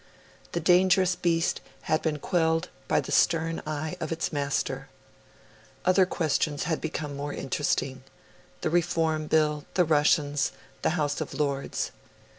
The dangerous beast had been quelled by the stern eye of its master. Other questions became more interesting the Reform Bill, the Russians, the House of Lords.